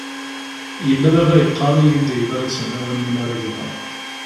Yella baba yeqqar-iyi-d iḍrisen lawan-nni mara gneɣ.